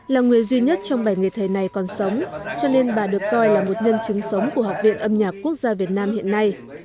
là người duy nhất trong bảy nghề thầy này còn sống cho nên bà được coi là một nhân chứng sống của học viện âm nhạc quốc gia việt nam hiện nay